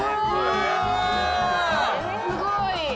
すごい！